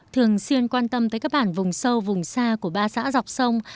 thường xuyên quan tâm tới các bản vùng sâu vùng xa của ba xã dọc sông